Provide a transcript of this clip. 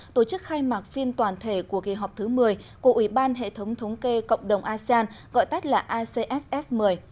tổ chức khai mạc phiên toàn thể của kỳ họp thứ một mươi của ủy ban hệ thống thống kê cộng đồng asean gọi tắt là acss một mươi